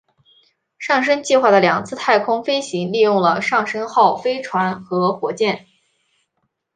上升计划的两次太空飞行利用了上升号飞船和火箭。